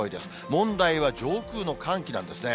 問題は上空の寒気なんですね。